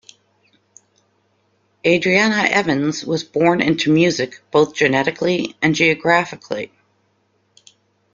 Adriana Evans was born into music, both genetically and geographically.